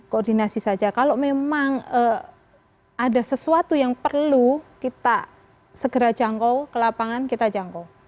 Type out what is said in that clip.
koordinasi saja kalau memang ada sesuatu yang perlu kita segera jangkau ke lapangan kita jangkau